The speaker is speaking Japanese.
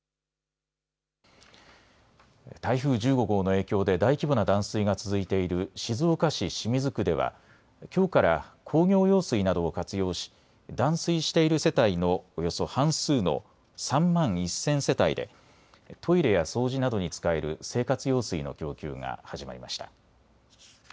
台風１５号の影響で大規模な断水が続いている静岡市清水区ではきょうから工業用水などを活用し断水している世帯のおよそ半数の３万１０００世帯でトイレや掃除などに使える生活用水の供給が始まりました。